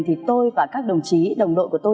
thì tôi và các đồng chí đồng đội của tôi